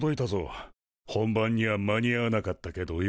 本番には間に合わなかったけどよ。